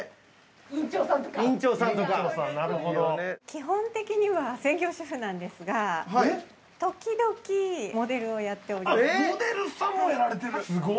基本的には専業主婦なんですが、時々モデルをやっております。